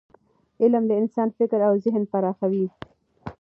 علم د انسان فکر او ذهن پراخوي.